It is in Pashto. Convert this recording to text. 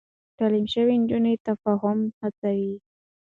تعليم شوې نجونې تفاهم هڅوي.